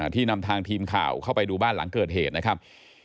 ที่นำทางทีมข่าวเข้าไปดูบ้านหลังเกิดเหตุนะครับ